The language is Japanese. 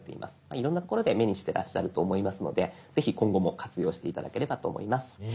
いろんな所で目にしてらっしゃると思いますのでぜひ今後も活用して頂ければと思います。